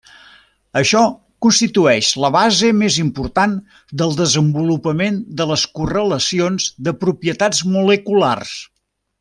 Això constitueix la base més important del desenvolupament de les correlacions de propietats moleculars.